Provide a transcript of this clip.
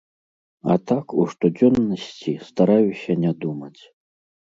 А так, у штодзённасці, стараюся не думаць.